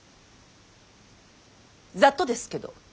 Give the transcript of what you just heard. ざっとですけど。